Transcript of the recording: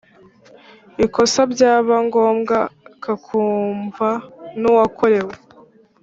ikosa byaba ngombwa kakumva n uwakorewe